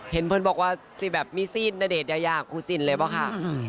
เห็นเพื่อนบอกว่ามีซีนณเดชน์ยาครูจินเลยเปล่าค่ะ